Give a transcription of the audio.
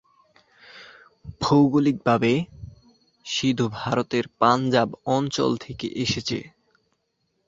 ভৌগলিকভাবে, সিধু ভারতের পাঞ্জাব অঞ্চল থেকে এসেছে।